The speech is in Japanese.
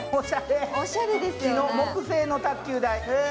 木製の卓球台。